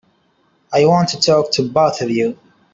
I want to talk to both of you.